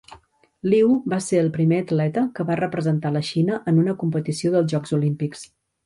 Liu va ser el primer atleta que va representar la Xina en una competició dels jocs olímpics.